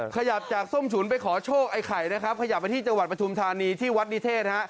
ขยับจากส้มฉุนไปขอโชคไอ้ไข่นะครับขยับไปที่จังหวัดปฐุมธานีที่วัดนิเทศฮะ